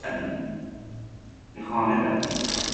به خانه دوید.